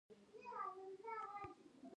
د کولونوسکوپي لوی کولمه ګوري.